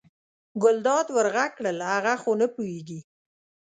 ګلداد ور غږ کړل هغه خو نه پوهېږي.